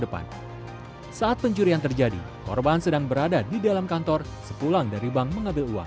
depan saat pencurian terjadi korban sedang berada di dalam kantor sepulang dari bank mengambil uang